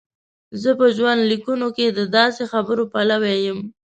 زه په ژوندلیکونو کې د داسې خبرو پلوی یم.